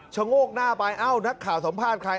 โงกหน้าไปเอ้านักข่าวสัมภาษณ์ใคร